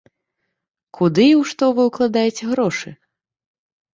Куды і ў што вы ўкладаеце грошы?